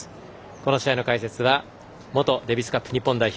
この試合の解説は元デビスカップ日本代表